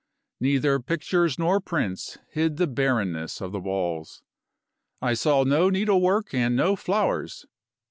Neither pictures nor prints hid the barrenness of the walls. I saw no needlework and no flowers.